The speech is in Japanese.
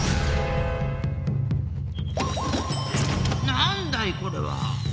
なんだいこれは。